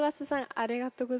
ありがとうございます！